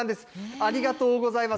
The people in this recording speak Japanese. ありがとうございます。